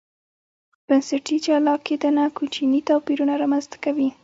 بنسټي جلا کېدنه کوچني توپیرونه رامنځته کوي.